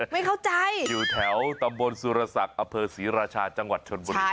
ไม่เข้าใจอยู่แถวตำบลสุรศักดิ์อเภอศรีราชาจังหวัดชนบุรี